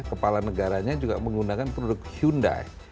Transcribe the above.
kepala negaranya juga menggunakan produk hyundai